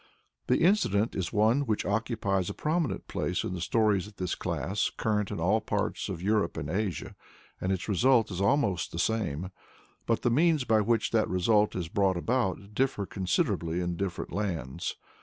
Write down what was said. The incident is one which occupies a prominent place in the stories of this class current in all parts of Europe and Asia, and its result is almost always the same. But the means by which that result is brought about differ considerably in different lands.